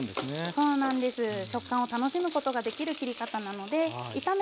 そうなんです。